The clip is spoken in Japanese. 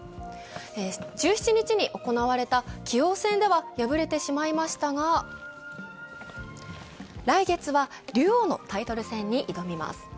１７日に行われた棋王戦では敗れてしまいましたが、来月は竜王のタイトル戦に挑みます。